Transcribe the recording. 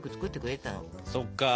そっか。